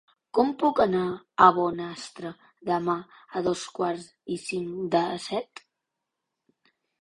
Com puc anar a Bonastre demà a dos quarts i cinc de set?